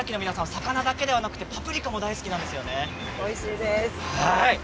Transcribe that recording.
魚だけではなくてパプリカも大好きなんですよね。